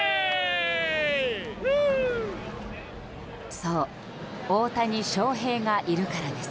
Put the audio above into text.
そう、大谷翔平がいるからです。